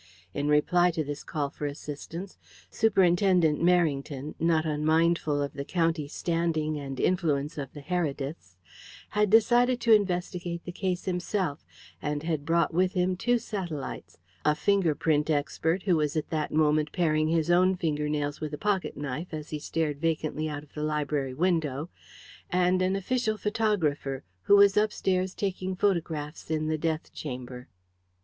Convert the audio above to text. In reply to this call for assistance, Superintendent Merrington, not unmindful of the county standing and influence of the Herediths, had decided to investigate the case himself, and had brought with him two satellites a finger print expert who was at that moment paring his own finger nails with a pocket knife as he stared vacantly out of the library window, and an official photographer, who was upstairs taking photographs in the death chamber.